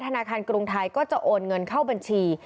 ธนาคารกรุงไทยก็จะโอนเงินเข้าบัญชี